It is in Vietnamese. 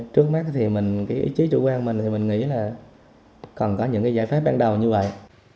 trước mắt ý chí chủ quan mình nghĩ là cần có những giải pháp ban đầu như vậy